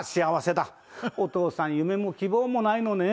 「お父さん夢も希望もないのね。